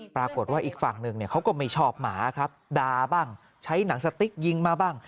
ปรากฏว่าอีกฝั่งหนึ่งเขาก็ไม่ชอบหมาครับด่าบ้างใช้หนังสติ๊กยิงมาบ้าง